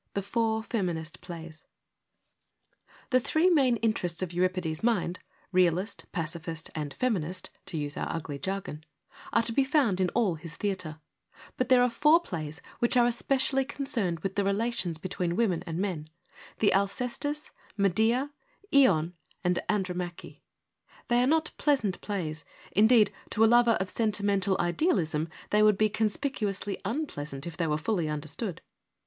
The Four Feminist Plays The three main interests of Euripides' mind, realist, pacificist and feminist — to use our ugly j argon — are to be found in all his theatre ; but there are four plays which are especially concerned with the relations between women and men, the Alcestis, Medea, Ion and Andromache. They are not pleasant plays : indeed, to a lover of sentimental idealism they would be conspicuously unpleasant if they were fully understood.